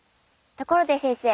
ところで先生